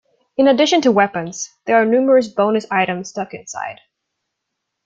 In addition to weapons, there are numerous bonus items stuck inside.